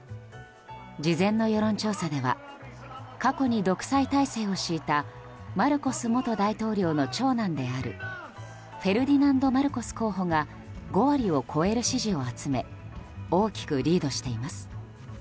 事前の世論調査では過去に独裁体制を敷いたマルコス元大統領の長男であるフェルディナンド・マルコス候補が５割を超える支持を集め大きくリードしています。